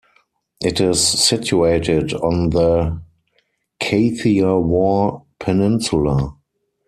It is situated on the Kathiawar peninsula.